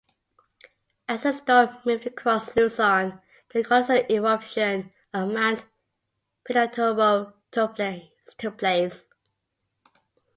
As the storm moved across Luzon, the colossal eruption of Mount Pinatubo took place.